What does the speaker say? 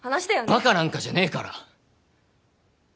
バカなんかじゃねえから！